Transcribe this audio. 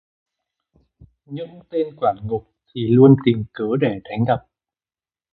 Những tên quản ngục thì luôn tìm cớ để đánh đập